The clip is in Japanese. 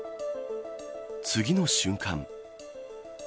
次の瞬間。